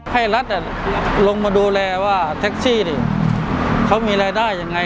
ให้รัฐลงมาดูแลว่าแท็กซี่นี่เขามีรายได้ยังไง